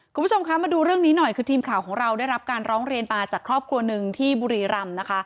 คุณผู้ชมคะมาดูเรื่องนี้หน่อยคือทีมข่าวของเราได้รับการร้องเรียนมาจากครอบครัวหนึ่งที่บุรีรำนะคะ